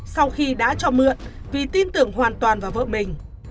sau khi đã cho mượn vì tin tưởng hoàn toàn vào vợ mình